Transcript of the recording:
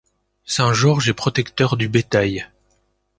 Saint Georges est protecteur du bétail.